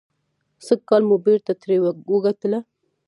سږکال مو بېرته ترې وګټله.